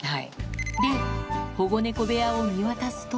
で、保護猫部屋を見渡すと。